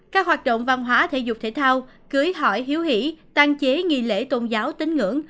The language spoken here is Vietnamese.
các hoạt động văn hóa thể dục thể thao cưới hỏi hiếu hỉ tàn chế nghi lễ tôn giáo tính ngưỡng